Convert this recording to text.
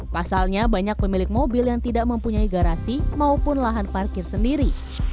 pasalnya banyak pemilik mobil yang tidak mempunyai garasi maupun lahan parkir sendiri